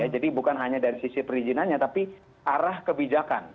jadi bukan hanya dari sisi perizinannya tapi arah kebijakan